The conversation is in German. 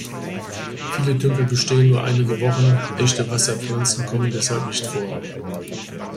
Viele Tümpel bestehen nur einige Wochen, echte Wasserpflanzen kommen deshalb nicht vor.